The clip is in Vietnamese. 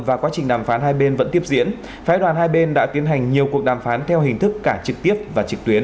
và quá trình đàm phán hai bên vẫn tiếp diễn phái đoàn hai bên đã tiến hành nhiều cuộc đàm phán theo hình thức cả trực tiếp và trực tuyến